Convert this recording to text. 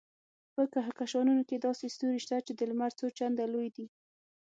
په کهکشانونو کې داسې ستوري شته چې د لمر څو چنده لوی دي.